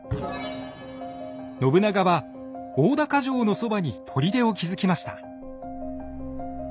信長は大高城のそばに砦を築きました。